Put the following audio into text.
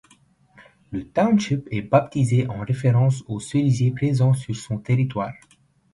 Le township est baptisé en référence aux cerisiers présents sur son territoire.